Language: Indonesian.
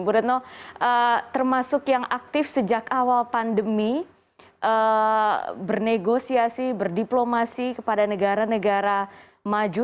bu retno termasuk yang aktif sejak awal pandemi bernegosiasi berdiplomasi kepada negara negara maju